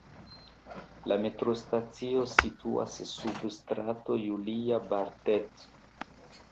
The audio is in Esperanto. La metrostacio situas sub Strato Julia-Bartet.